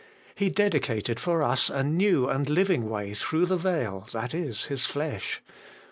He dedicated for us a new and living way through the veil, that is, His flesh.